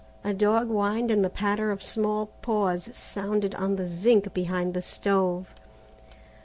A dog whined and the patter of small paws sounded on the zinc behind the stove.